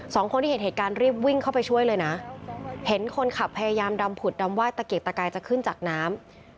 สองคนที่เห็นเหตุการณ์รีบวิ่งเข้าไปช่วยเลยนะเห็นคนขับพยายามดำผุดดำไห้ตะเกียกตะกายจะขึ้นจากน้ำ